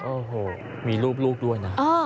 โอ้โหมีรูปลูกด้วยนะ